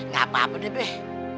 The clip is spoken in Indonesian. gapapa deh beh